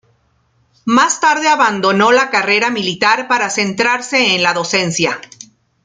Más tarde abandonó la carrera militar para centrarse en la docencia.